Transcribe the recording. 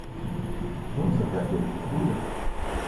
Vamos até a floricultura?